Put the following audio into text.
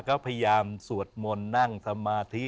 ก็พยายามสวดมนต์นั่งสมาธิ